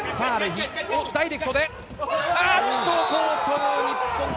ダイレクトで。